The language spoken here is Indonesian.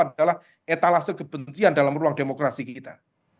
itu adalah etalah sekepentian dalam ruang demokrasi kita